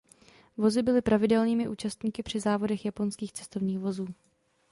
Vozy byly pravidelnými účastníky při závodech japonských cestovních vozů.